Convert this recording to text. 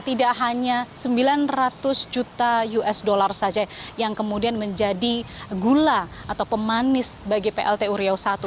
tidak hanya sembilan ratus juta usd saja yang kemudian menjadi gula atau pemanis bagi plt uriau i